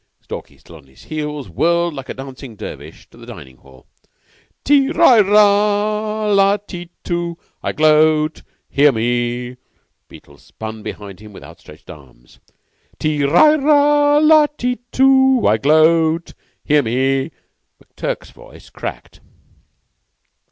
Stalky, still on his heels, whirled like a dancing dervish to the dining hall. "Ti ra la la i tu! I gloat! Hear me!" Beetle spun behind him with outstretched arms. "Ti ra la la i tu! I gloat! Hear me!" McTurk's voice cracked.